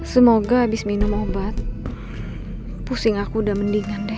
semoga habis minum obat pusing aku udah mendingan deh